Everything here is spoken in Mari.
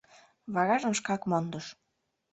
Варажым шкак мондыш.